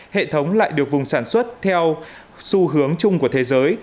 hệ thống lại được vùng sản xuất theo xu hướng chung của thế giới